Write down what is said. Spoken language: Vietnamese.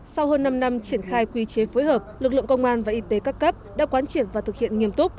sau hơn năm năm triển khai quy chế phối hợp lực lượng công an và y tế các cấp đã quán triệt và thực hiện nghiêm túc